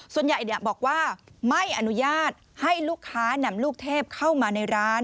ส่วนใหญ่บอกว่าไม่อนุญาตให้ลูกค้านำลูกเทพเข้ามาในร้าน